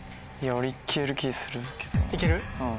いける？